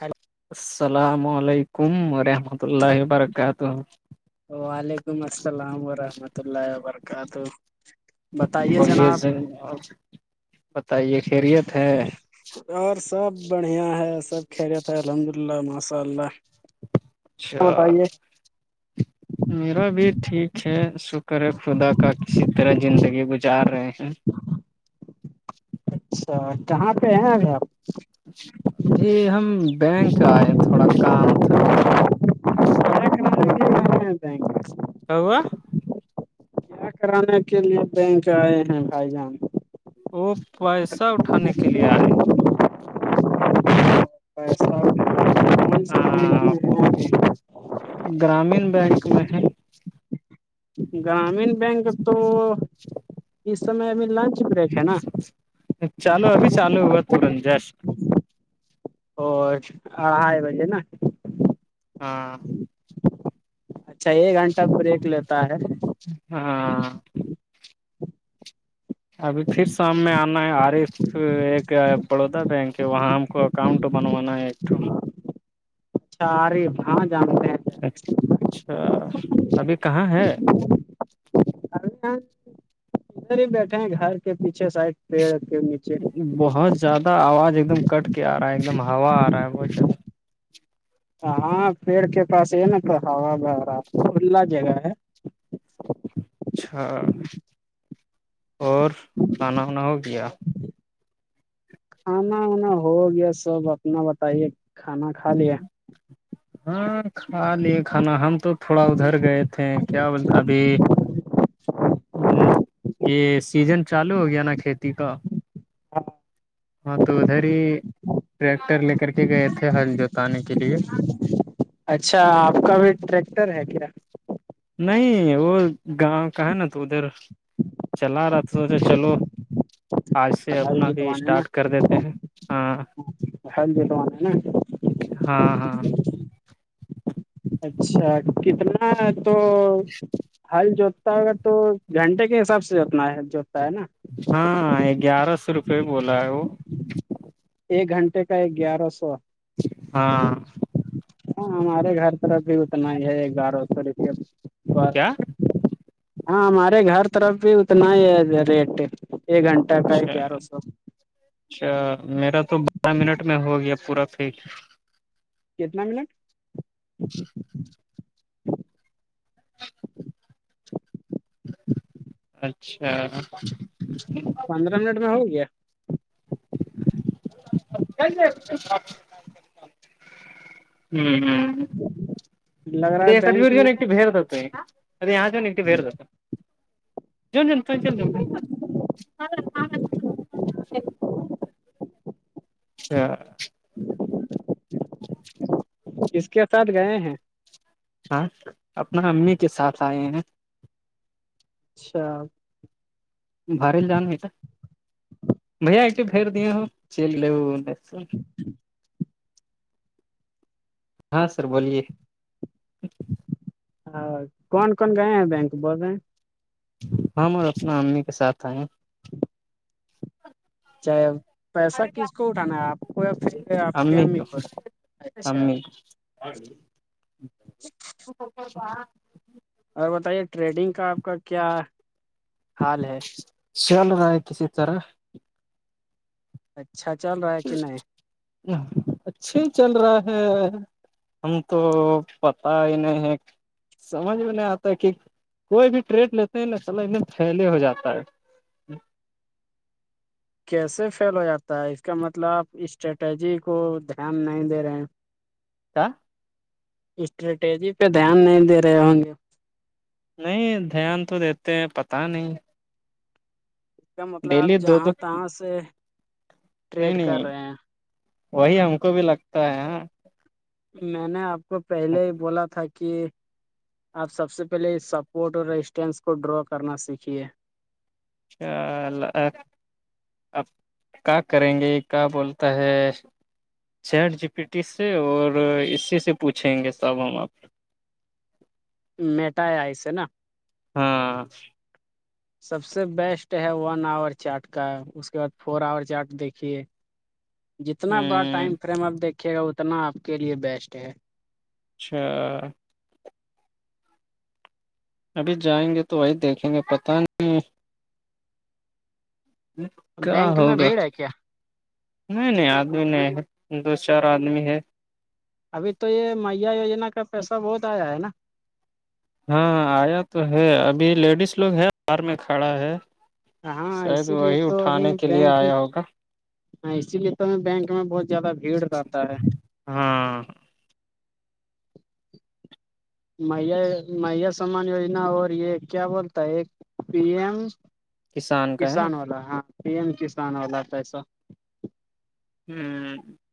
hello السلام علیکم رحمۃ اللہ ورکاتہ وعلیکم السلام ورحمۃ اللہ وبرکاتہ بتائیے جناب اور بتائیے خیریت ہے اور سب بڑھیا ہے سب کہلے تھ الحمد للہ ماشاء اللہ اچھا بتائیے میرا بھی ٹھیک ہے س کرے خدا کا کسی طرح زندگی گزار رہے ہیں اچھا کہاں پہ ہیں ا آپ ابھی ہم بینک آئے تھوڑا کام تھا ہیں [unintelligible] [inaudible] او [unintelligible] کرانے کے لیے بینک آئے ہیں بھائی جان او پیسہ اٹھانے کے لیے آئے ہچ [unintelligible] پیسہ س ہے بھی ہاں [unintelligible] گرامین بینک میں ہے گرامین بینک تو اس سمے ابھی لنچ بریک ہے نا چالو ابھی چالو ہو تورن جاسٹ او ہ ہے بھے نا [unintelligible] ہاں اچھا ایک گھنٹہ بریک لیتا ہےرے ہاں ابھی پھر شام میں آنا ہے آرے ایک بڑودا بینک ہے وہاں ہم کو اکاؤنٹ بنوانا ہے ایک تو شارف ہاں جانتے ہیں اچھا ابھی کہاں ہے یہ ادھر ہی بیٹھے ہیں گھر کے پیچھے سائڈ پیڑ کے نیچے بہت زیادہ آواز ایک دم کٹ کے آ رہا ہے ایک دم ہوا آ رہا ہے ب نا ہاں پیڑ کے پاس یہ نا تو ہا ب رہا کھلا جگہ ہے اچھا اور کھانا وانا ہو گیا کھانا وانا ہو گیا سب اپنا بتائیے کھانا کھا لیا ہاں کھا لیے کھانا ہم تو تھوڑا ادھر گئے تھے کیا بولتے ابھی ہ یہ سیزن چالو ہو گیا نا کھیتی کا ہاں تو ادھر ہی ٹریکٹر لے کر کے گئے تھے ہل جوتے کے لیے اچھا آپ کا بھی ٹریکٹر ہے کیا نہیں وہ گاؤں کا ہے نا تو ادھر چلا رہا تو سوچے چلو آج سے ہل اپنا بھی جتوانا ہے نا اسٹارٹ کر دیتے ہیں ہاں ہل جتوانا ہے نا ہاں ہاں اچھا کتنا تو حل جو تا اگر تو گھنٹے کے حساب سے جتنا ہے جو ہوتا ہے نا ہاں گیارہ سو روپئے بولا ہے وہ ایک گھنٹے کا ایک گیارہ سو ہاں ہاں ہمارے گھر طرف بھی اتنا ہی ہے گیارہ سو رپ کیا بارہ ہاں ہمارے گھر طرف بھی اتنا ہی ہے ریٹ ایک گھنٹہ کا ہے اچھا گیارہ سو اچھا میرا تو بارہ منٹ میں ہو گیا پورا فیک [unintelligible] کتنا منٹ اچھا [unintelligible] پندرہ منٹ میں ہو گیا ہوں ہ [unintelligible] لگ ا رہا ہے یہ سٹویر بینک جاں میں ایکٹی بہر جات ہے اے یہاں جون ایکٹٹی بہر جاتا جو ل تو ل [unintelligible] اچھا کس کے ساتھ گئے ہیں ہاں اپنا امی کے ساتھ آئے ہیں اچھا بار ل جاان بھ ایک دیے ہ چل ج [inaudible] ہاں سر بولیے ہاں کون کون گئے ہیں بینک بول رہے ہیں ہم اور اپنا امی کے ساتھ آئے ہیں چاہے پیسہ کس کو اٹھانا ہے آپ کو یا پھر آپ کے امی کو اچھا امی [inaudible] اور بتائیے ٹریڈنگ کا آپ کا کیا حال ہے شیاال ر آئیتی ستارا اچھا چل رہا ہے کہ نہیں اچھے چل رہا ہے ہم تو پت ہی نہیں ہے سمجھ میں نہیں آتا کہ کوئی بھی ٹریڈ لیتے ہیں نا چلا پھیلے ہو جاتا ہے کیسے فیل ہو جاتا ہے اس کا مطلب آپ اسٹریٹجی کو دھیان نہیں دے رہے ہیں [inaudible] کیا [unintelligible] اسٹریٹیجی پہ دھیان نہیں دے رہے ہوں گے نہیں دھیان تو دیتے ہیں پت نہیں کا مطلب آپ ڈیلی دو دو جہاں تہاں سے [unintelligible] نہیں ٹریڈ کر نہیں رہے ہیں وہی ہم کو بھی لگتا ہے ہاں میں نے آپ کو پہلے ہی بولا تھا کہ آپ سب سے پہلے سپورٹ اور رسٹینس کو ڈرا کرنا سیکھیے چ [inaudible] اب کا کریں گے کیا بولتا ہے چیٹ جی پی ٹی سے اور اسی سے پوچھیں گے صاحب ہم آپ میٹائ آس نا [unintelligible] ہاں سب سے بیسٹ ہے ون آور چاٹ کا اس کے بعد فور آور چاٹ دیکھیے ہ جتنا بڑا ٹائم فریم آپ دیکھیے گا اتنا آپ کے لیے بیسٹ ہے اچھا ابھی جائیں گے تو وہی دیکھیں گے پتہ نہیں کیا بینک میں ہوگا بھیڑ ہے کیا نہیں نہیں آدمی نہیں ہے دو چار آدمی ہے ابھی تو یہ میا یجنا کا پیسہ بہت آیا ہے نا ہاں آیا تو ہے ابھی لیڈیز لوگ ہے باہر میں کھڑا ہے ہاں شاید اسی وہی اٹھانے کے لیے آیا ہوگا ہاں اسی لیے تو ہم بینک میں بہت زیادہ بھیڑ رہتا ہے ہاں میا میا سمان یوجنا اور یہ کیا بولتا ہے ایک پی ایم کا ہے نا کسان والا ہاں پی ایم کسان والا پسا ہوں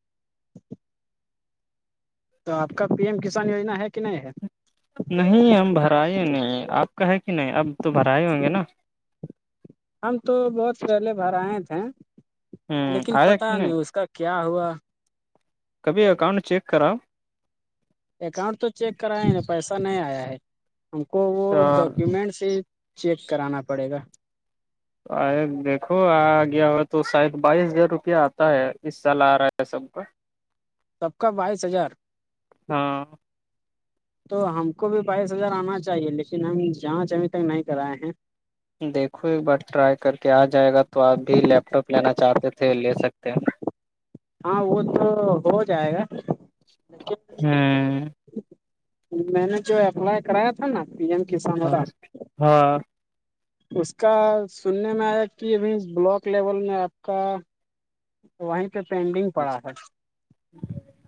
تو آپ کا پی ایم کسان یوجنا ہے کہ نہیں ہے نہیں ہم بھرائے نہیں آپ کا ہے کہ نہیں اب تو بھرائے ہوں گے نا ہم تو بہت پہلے بھر آئے تھے ہوں لیکن آیا کہ پتا نہیں اس کا کیا ہوا [unintelligible] کبھی اکاؤنٹ چیک کرا اکاؤنٹ تو چیک کرایا نہیںا پیسہ نہیں آیا ہے ہم کو وہ ڈاکیومینٹس ہی چیک کرانا پڑے گا [unintelligible] آ دیکھو آ گیا ہو تو شاید بائیس ہزار روپیہ آتا ہے اس سال آ رہا ہے سب کا سب کا بائیس ہزار ہاں تو ہم کو بھی بائیس ہزار آنا چاہیے لیکن ہم جانچ ابھی تک نہیں کرائے ہیں دیکھو ایک بار ٹرائی کر کے آ جائے گا تو آپ بھی لیپ ٹاپ لینا چاہتے تھے لے سکتے ہاں وہ تو ہو جائے گا لیکن ہاں میں نے جو اپلائی کرایا تھا نا پی ایم کسانوں ہاں ہاں اس کا سننے میں آیا کہ ابھی بلاک لیول میں آپ کا وہیں پہ پینڈنگ پڑا ہے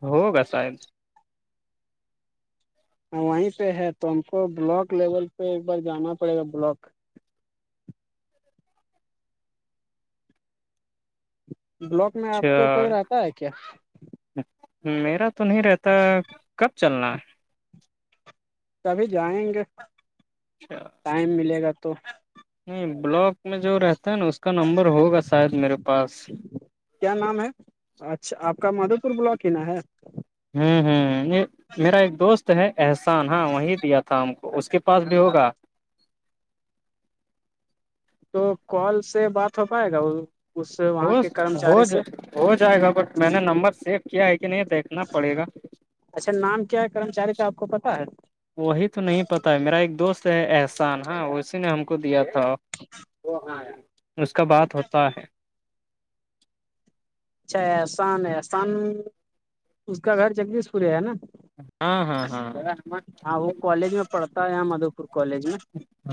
ہوگا صاحب ہاں وہیں پہ ہے تو ہم کو بلاک لیول پہ ایک بار جانا پڑے گا بلاک بلاک میں آپ کے کوئی اچھا رہتا ہے کیا میرا تو نہیں رہتا کب چلنا ہے کبھی جائیں گے ٹائم ملے گا تو نہیں بلاک میں جو رہتا ہے نا اس کا نمبر ہوگا شاید میرے پاس کیا نام ہے اچھا آپ کا مادھو پور بلاک ہی نا ہے ہوں ہوں یہ میرا ایک دوست ہے احسان ہاں وہیں دیا تھا ہم کو اس کے پاس بھی ہوگا تو کال سے بات ہو پائے گا وہ ہو جائے گا بٹ میں نے نمبر سیو کیا ہے کہ نہیں دیکھنا پڑے گا اچھا نام کیا ہے کرمچاری کا آپ کو پتا ہے وہی تو نہیں پتاہ ہے میرا ایک دوست ہے احسان ہاں اسی نے ہم کو دیا تھا اس کا بات ہوتا ہے اچھا احسان ہےاحسان اس کا گھر جگدیش پور ہے ہے نا ہاں ہاں ہاں پڑتا ہے مد کالج میں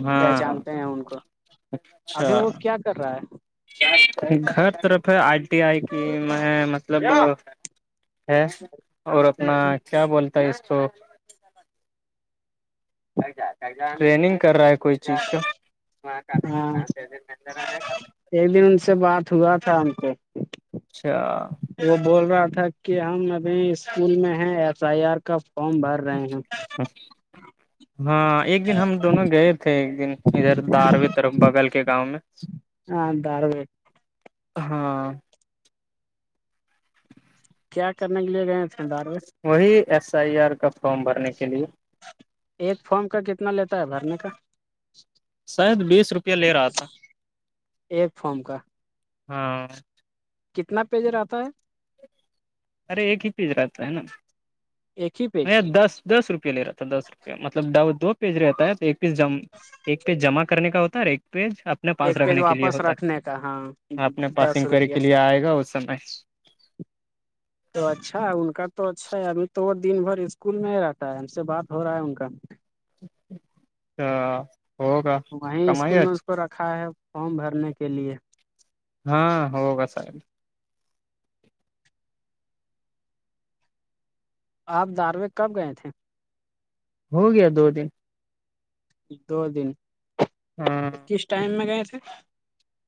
ہاں پہچانتے ہیں ان کو ابھی وہ کیا کر رہا ہے ہر طرف ہے آئی ٹی آئی کی میں مطلب ہے اور ہے اپنا کیا بولتا ہے اس کو [unintelligible] ٹریننگ کر رہا ہے کوئی چیز کا ہاں ایک دن ان سے بات ہوا تھا ان کو اچھا [unintelligible] وہ بول رہا تھا کہ ہم ابھی اسکول میں ہے ایف آئی آر کا فارم بھر ا رہے ہیں ا [unintelligible] ہاں ایک دن ہم دونوں گئے تھے ایک دن ادھر دارویں طرف بغل کے گاؤں میں ہاں در ب [unintelligible] ہاں [unintelligible] کیا کرنے کے لیے گئے تھ دارو وہی ایس آئی آر کا فارم بھرنے کے لیے ایک فارم کا کتنا لیتا ہے بھرنے کا شاید بیس روپیہ لے رہا تھا ایک فارم کا ہاں کتنا پیج رہتا ہے ارے ایک ہی پیز رہتا ہے نا ایک ہی پیج میں دس دس روپے لے رہا تھا دس روپیہ مطلب دو پیج رہتا ہے تو ایک پی ایک پیج جمع کر [unintelligible] کرنے کا ہوتا ہے ر ایک پیج آپ اپنے پاس ایک پیج رکھنے کے لیے واپس ہوتا رکھنے کا ہاں ہے اپنے پاس انکوائری کے لیے آئے گا اس سمے ج [inaudible] تو اچھا ان کا تو اچھا ہے ابھی تو دن بھر اسکول میں ہی رہتا ہے ہم سے بات ہو رہا ہے ان کا تو [inaudible] وہیں کمائی اسکول میں اس اچھا کو رکھا ہے فارم بھرنے کے لیے ہاں ہوگا سا [unintelligible] آپ داروے کب گئے تھے ہو گیا دو دن دو دن ہاں کس ٹائم میں گئے تھے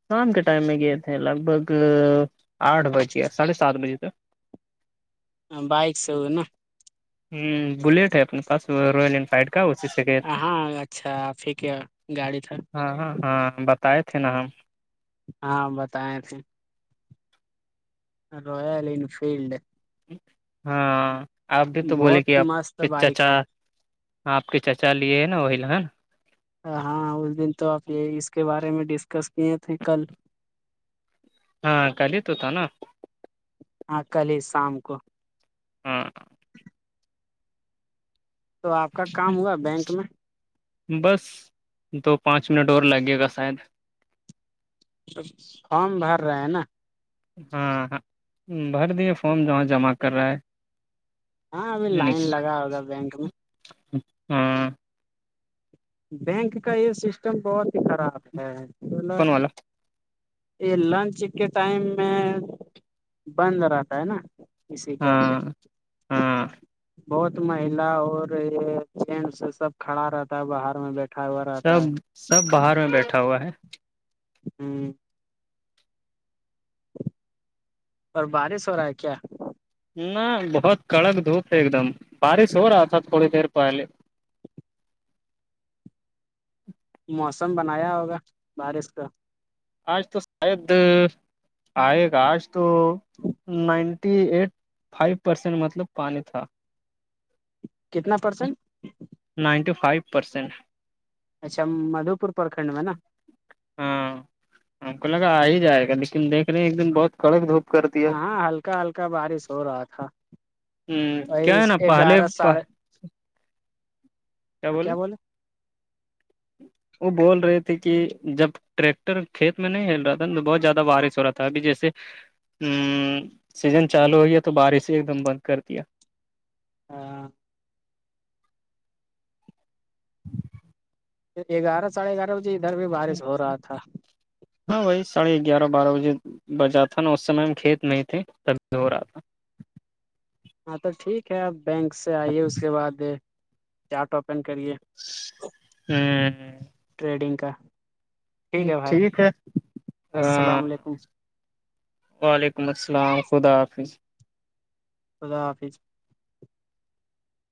شام کے ٹائم میں گئے تھے لگ بھگ آٹھ بجے ساڑھے سات بجے تک بائک سے ہو نا ہ بلیٹ ہے اپنے پاس روائل انفائڈ کا اسی سے گئے تھے ہاں اچھا آپ کیا گاڑی تھا ہاں ہاں ہاں بتائے تھے نا ہم ہاں بتائے تھے رویال انینفیلڈ ہاں آپ بھی تو بولے کہ بہت آپ مست بائک چاچا ہے آپ کے چاچا لیے ہے نا وہی ل ہےا ہاں اس دن تو آپ یہ اس کے بارے میں ڈسکس کیے تھے کل ہاں کل ہی تو تھا نا ہاں کل ہی شام کو ہاں تو آپ کا کام ہوا بینک میں بس دو پانچ منٹ اور لگے گا شاید تو فارم بھر رہے ہیں نا ہاں ہاں بھر دیے فارام جہاں جمع کر رہا ہے ہاں ابھی لائن لگا ہوگا بینک میں ہاں بینک کا یہ سسٹم بہت ہی خراب ہے کون والا یہ لنچ کے ٹائم میں بند رہتا ہے نا اسی کا ہاں ہاں بہت مہیلا اور جینٹس سب کھڑا رہتا ہے باہر میں بیٹھ سب سب باہر میں بیٹھا ہوا ہے ہوں اور بارش ہو رہا ہے کیا نہ بہت کڑک دھوپ ہے ایک دم بارش ہو رہا تھا تھوڑی دیر پہلے موسم بنایا ہوگا بارش کا آج تو شاید آئے گا آج تو نائنٹی ایٹ فائیو پرسینٹ مطلب پانی تھا کتنا پرسینٹ نائنٹی فائیو پرسینٹ اچھا مدو پور پرکھنڈ میں نا ہاں ہم کو لگا آ ہی جائے گا لیکن دیکھ رہے ہیں ایک دم بہت کڑک دھوپ کرتی ہے ہاں ہلکا ہلکا بارش ہو رہا تھا ہ وہی کیا ہے نا پہلے گیارہ ساڑھے کیا ہاں کیا بولے وہ بول رہے تھے کہ جب ٹریکٹر کھیت میں نہیں ہل رہا تھا تو بہت زیادہ بارش ہو رہا تھا ابھی جیسے ہسیزن چالو ہو گیا تو بارش ہی ایک دم بند کر دیا ہاں گیارہ ساڑھے گیارہ بجے ادھر بھی بارش ہو رہا تھا ہا وبی سڑھے گیارہ بارہ بجے بچا تھا نا اس سمے ہم کھیت میں تھے تب د ہو رہا تھا ہاں تو ٹھیک ہے آپ بینک سے آئیے اس کے بعد چارٹ اوپن کرے ہ ٹریڈنگ کا ہ ہے بھائی ٹھیک ہے ہ السلام علیکم وعلیکم اسلام خدا حافظ خدا حافظ